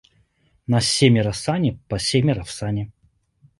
На семеро сани, по семеро в сани.